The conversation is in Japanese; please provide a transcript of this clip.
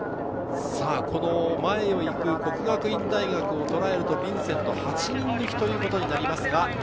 前を行く國學院大學をとらえると、ヴィンセントは８人抜きとなります。